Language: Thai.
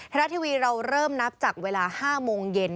รัฐทีวีเราเริ่มนับจากเวลา๕โมงเย็น